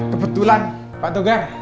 kebetulan pak tokar